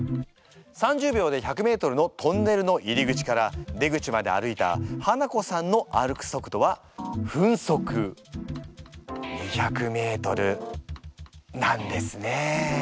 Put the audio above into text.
３０秒で１００ｍのトンネルの入り口から出口まで歩いたハナコさんの歩く速度は分速２００ｍなんですね。